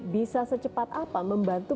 bisa secepat apa membantu